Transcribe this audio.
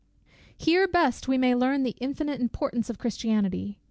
Here best we may learn the infinite importance of Christianity.